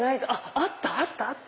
あったあった！